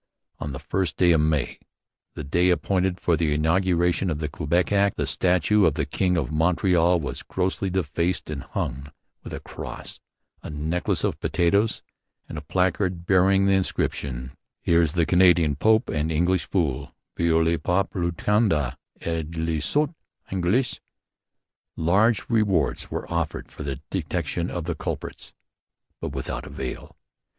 On the 1st of May, the day appointed for the inauguration of the Quebec Act, the statue of the king in Montreal was grossly defaced and hung with a cross, a necklace of potatoes, and a placard bearing the inscription, Here's the Canadian Pope and English Fool Voila le Pape du Canada et le sot Anglais. Large rewards were offered for the detection of the culprits; but without avail.